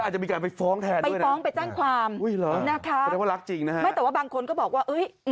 ใช่ไปฟ้องไปแจ้งความนะครับไม่แต่ว่าบางคนก็บอกว่า